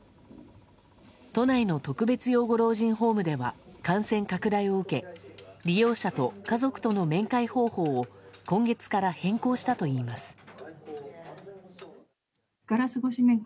都内の特別養護老人ホームでは感染拡大を受け利用者と家族との面会方法を今月から変更したといいます。